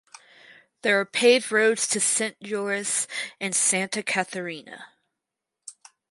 There are paved roads to Sint Joris and Santa Catharina.